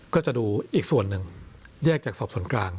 ก็จะดูอีกส่วนหนึ่งแยกจากสอบส่วนกลาง